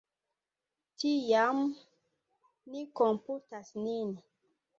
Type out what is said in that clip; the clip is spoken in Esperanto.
Tiam, ni komputas nin.